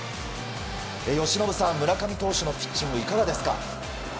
由伸さん村上投手のピッチングいかがですか？